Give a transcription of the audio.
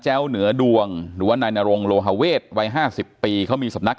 ้วเหนือดวงหรือว่านายนรงโลฮาเวทวัย๕๐ปีเขามีสำนัก